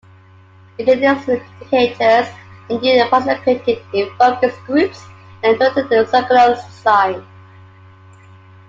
Indigenous educators and youth participated in focus groups and directed the curriculum's design.